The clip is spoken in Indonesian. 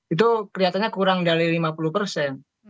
itu kelihatannya kurang dari lima puluh persen